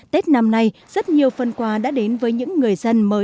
tết năm nay rất nhiều phân quà đã đến với những người dân